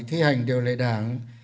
thi hành điều lệ đảng